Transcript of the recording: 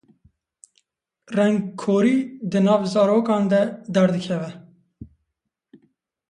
Rengkorî di nav zarokan de derdikeve.